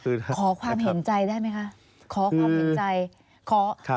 ขอความเห็นใจได้ไหมคะ